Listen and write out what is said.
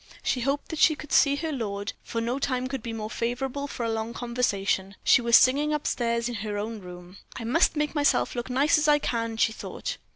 She hoped that she could see her lord, for no time could be more favorable for a long conversation. She was singing up stairs in her own room. "I must make myself look as nice as I can," she thought.